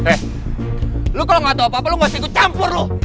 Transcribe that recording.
eh lo kalau gak tau apa apa lo gak harus ikut campur lo